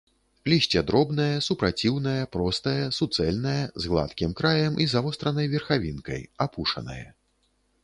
Лісце дробнае, супраціўнае, простае, суцэльнае, з гладкім краем і завостранай верхавінкай, апушанае.